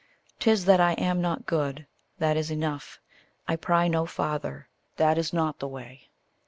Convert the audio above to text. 'Tis that I am not good that is enough; I pry no farther that is not the way.